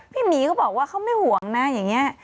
หมีก็บอกว่าเขาไม่ห่วงนะอย่างนี้